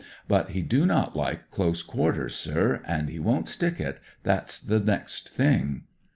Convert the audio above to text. But he do not like close quarter^, sir, and he won't stick it that's the next thing.